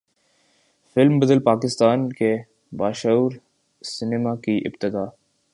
film بدل پاکستان کے باشعور سینما کی ابتدا